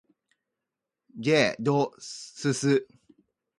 ｊ ど ｓｓ